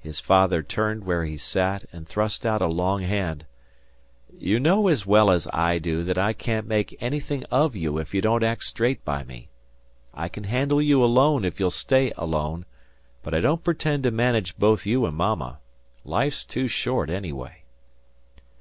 His father turned where he sat and thrust out a long hand. "You know as well as I do that I can't make anything of you if you don't act straight by me. I can handle you alone if you'll stay alone, but I don't pretend to manage both you and Mama. Life's too short, anyway."